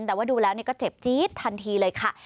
แต่ว่าดูแล้วก็เจ็บจี๊ดทันทีเลยค่ะ